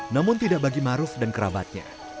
namun tidak bagi maruf dan kerabatnya